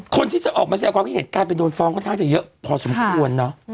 คนที่จะออกมาแสดงความคิดเห็นกลายเป็นโดนฟ้องค่อนข้างจะเยอะพอสมควรเนอะ